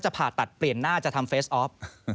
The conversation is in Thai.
ผ่าตัดเปลี่ยนหน้าจะทำเฟสออฟ